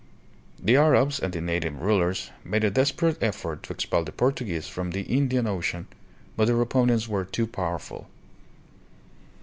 The Arabs and the native rulers made a desperate effort to expel the Portuguese from the Indian Ocean, but their opponents were too powerful.